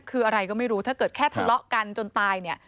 คืออะไรก็ไม่รู้ถ้าเกิดแค่ทะเลาะกันจนตายเนี่ย